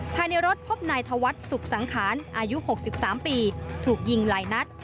ภายในรถพบนายธวัดสุขสังขารอายุหกสิบสามปีถูกยิงไหลนัด